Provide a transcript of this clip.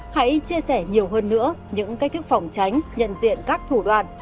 hãy chia sẻ nhiều hơn nữa những cách thức phòng tránh nhận diện các thủ đoạn